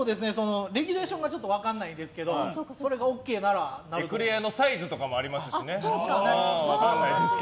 レギュレーションがちょっと分からないんですがエクレアのサイズとかもありますしね。